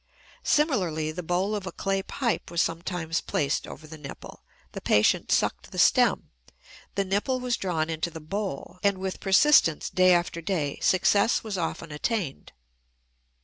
Similarly, the bowl of a clay pipe was sometimes placed over the nipple; the patient sucked the stem, the nipple was drawn into the bowl, and with persistence day after day success was often attained.